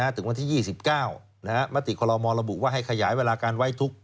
ถึงวันที่๒๙มติคอลโมระบุว่าให้ขยายเวลาการไว้ทุกข์